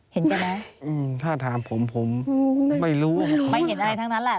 เห็นกันไหมถ้าถามผมผมไม่รู้ไม่รู้ไม่รู้ไม่เห็นอะไรทั้งนั้นแหละ